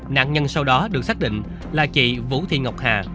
nạn nhân sau đó được xác định là chị vũ thị ngọc hà